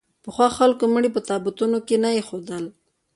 پخوا خلکو مړي په تابوتونو کې نه اېښودل.